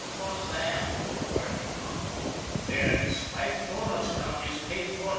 "What's that?" inquired MacDonald. " Dere iss five doughnuts dot iss paid for not."